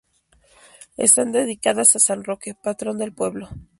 Están dedicadas a San Roque, patrón del pueblo.